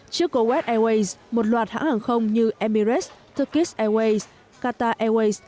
trước coes airways một loạt hãng hàng không như emirates turkish airways qatar airways